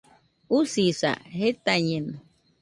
Usisa, jetañeno